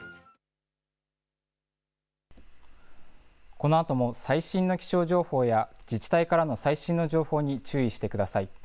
このあとも最新の気象情報や自治体からの最新の情報に注意してください。